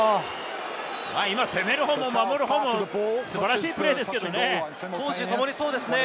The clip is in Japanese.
今、攻めるほうも守るほうも素晴らしいプレーですけどね。